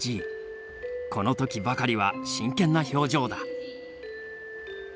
この時ばかりは真剣な表情だ。